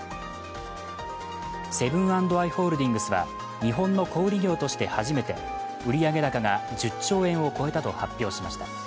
セブン＆アイ・ホールディングスは日本の小売業として初めて売上高が１０兆円を超えたと発表しました。